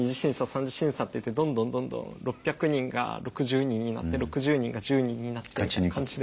３次審査っていってどんどんどんどん６００人が６０人になって６０人が１０人になってって感じで。